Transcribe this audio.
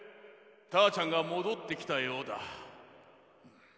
たーちゃんがもどってきたようだ。